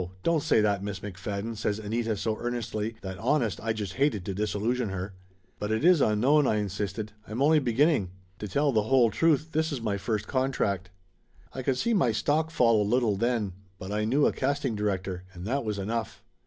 Don't say that, Miss McFadden!" says Anita so earnestly that honest, I just hated to disil lusion her. 60 Laughter Limited "But it is unknown," I insisted. "I'm only begin ning. To tell the whole truth this is my first contract." I could see my stock fall a little then, but I knew a casting director, and that was enough.